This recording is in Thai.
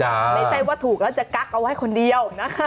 ไม่ใช่ว่าถูกแล้วจะกั๊กเอาไว้คนเดียวนะคะ